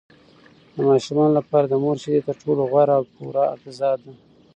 د ماشومانو لپاره د مور شیدې تر ټولو غوره او پوره غذا ده.